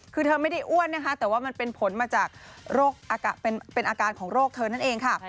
คือเธอไม่ได้อ้วนนะคะแต่ว่ามันเป็นผลมาจากเป็นอาการของโรคเธอนั่นเองค่ะ